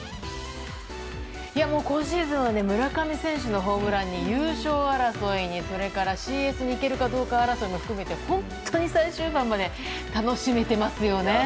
今シーズンは村上選手のホームランに優勝争いに、それからＣＳに行けるかどうかも含めて本当に最終盤まで楽しめていますよね。